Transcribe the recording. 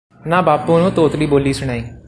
ਨਾ ਬਾਪੂ ਨੂੰ ਤੋਤਲੀ ਬੋਲੀ ਸੁਣਾਈ